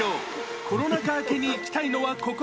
コロナ禍明けに行きたいのはここ。